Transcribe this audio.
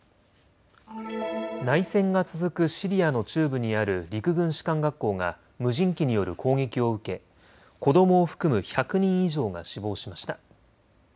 内戦が続くシリアの中部にある陸軍士官学校が無人機による攻撃を受け子どもを含む１００人以上が死亡しました。